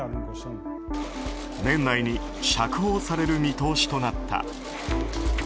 年内に釈放される見通しとなった。